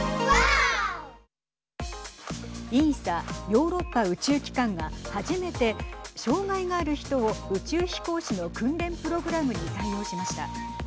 ＥＳＡ＝ヨーロッパ宇宙機関が初めて障害がある人を宇宙飛行士の訓練プログラムに採用しました。